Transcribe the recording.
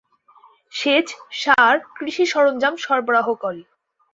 সেচ, সার, কৃষি সরঞ্জাম সরবরাহ করে।